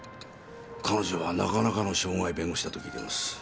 彼女はなかなかの渉外弁護士だと聞いてます。